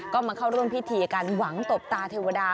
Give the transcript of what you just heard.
ก็มาเข้าร่วมพิธีกันหวังตบตาเทวดา